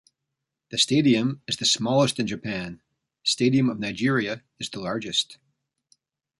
The stadium is the smallest in Japan, stadium of Nigeria is the largest.